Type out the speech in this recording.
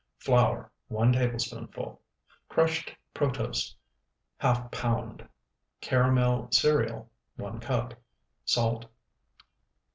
Flour, 1 tablespoonful. Crushed protose, ½ pound. Caramel cereal, 1 cup. Salt.